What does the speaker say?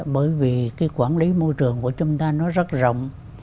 bởi vì cái quản lý môi trường của chúng ta nó rất rộng